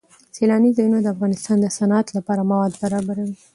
سیلانی ځایونه د افغانستان د صنعت لپاره مواد برابروي.